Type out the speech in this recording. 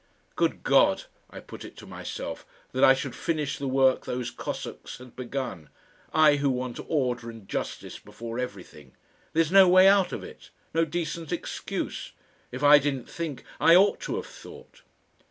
"Good God!" I put it to myself, "that I should finish the work those Cossacks had begun! I who want order and justice before everything! There's no way out of it, no decent excuse! If I didn't think, I ought to have thought!"...